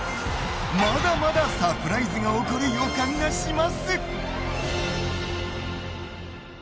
まだまだサプライズが起こる予感がします。